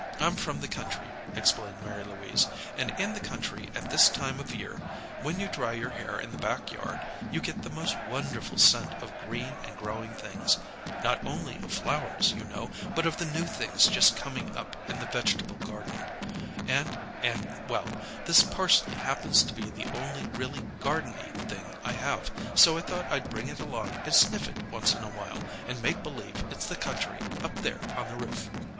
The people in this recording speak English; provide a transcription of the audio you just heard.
I'm from the country," explained Mary Louise, "and in the country, at this time of year, when you dry your hair in the back yard, you get the most wonderful scent of green and growing things not only of flowers, you know, but of the new things just coming up in the vegetable garden, and and well, this parsley happens to be the only really gardeny thing I have, so I thought I'd bring it along and sniff it once in a while, and make believe it's the country, up there on the roof."